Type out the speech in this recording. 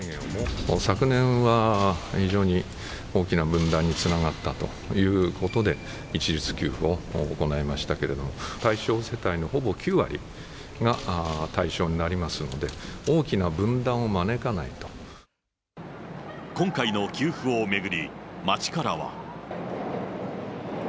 昨年は非常に大きな分断につながったということで、一律給付を行いましたけれども、対象世帯のほぼ９割が対象になりますので、今回の給付を巡り、街からは。